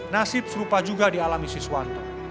nasib serupa juga di alami siswanto